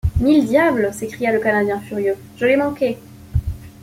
Mille diables ! s’écria le Canadien furieux, je l’ai manqué !